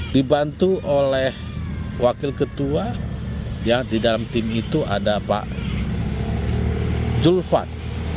dibantu oleh wakil ketua di dalam tim itu ada pak julfat